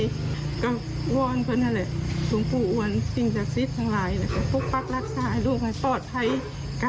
ก็วอนเพื่อนนั้นละถึงผู้อวันสิ่งจักษิตทั้งหลาย